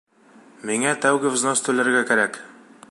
Миңә тәүге взнос түләргә кәрәк!